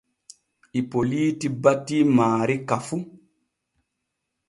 Ipoliiti batii maari ka fu.